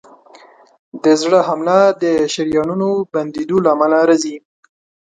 د زړه حمله د شریانونو بندېدو له امله راځي.